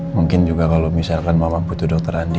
mungkin juga kalau misalkan mama butuh dokter andi